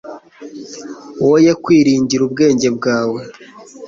woye kwiringira ubwenge bwawe